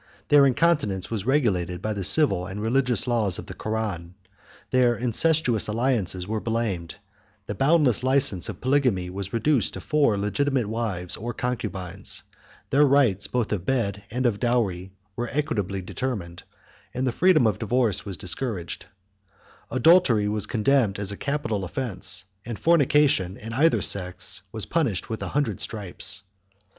159 Their incontinence was regulated by the civil and religious laws of the Koran: their incestuous alliances were blamed; the boundless license of polygamy was reduced to four legitimate wives or concubines; their rights both of bed and of dowry were equitably determined; the freedom of divorce was discouraged, adultery was condemned as a capital offence; and fornication, in either sex, was punished with a hundred stripes.